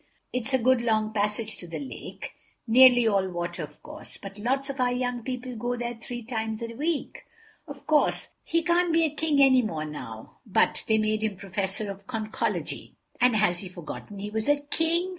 It's a good long passage to the lake—nearly all water, of course, but lots of our young people go there three times a week. Of course, he can't be a King anymore now—but they made him Professor of Conchology." "And has he forgotten he was a King?"